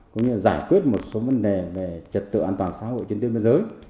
cũng như là giải quyết một số vấn đề về trật tựu an toàn xã hội chiến tuyến thế giới